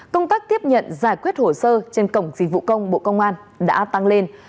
công tác tiếp nhận giải quyết hồ sơ trên cổng dịch vụ công bộ công an đã tăng lên